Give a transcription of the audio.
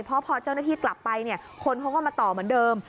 เพราะพอเจ้าหน้าที่กลับไปเนี่ยคนเขาก็มาต่อเหมือนเดิม